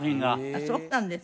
あっそうなんですね。